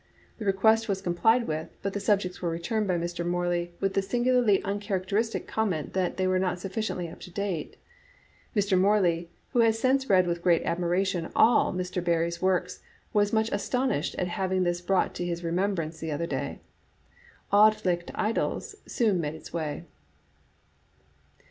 The request was com plied with, but the subjects were returned by Mr. Mor ley with the singularly uncharacteristic comment that they were not sufficiently up to date. Mr. Morley, who has since read with great admiration all Mr. Barrie's works, was much astonished at having this brought to his remembrance the other day. " Auld Licht Idylls" soon made its way.